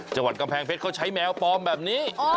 จังหวัดกำแพงเพชรเขาใช้แมวปลอมแบบนี้